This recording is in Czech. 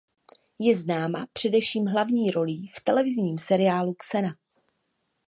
Je známa především hlavní rolí v televizním seriálu "Xena".